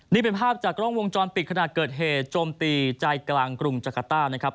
นี่เป็นภาพจากกล้องวงจรปิดขณะเกิดเหตุโจมตีใจกลางกรุงจักรต้านะครับ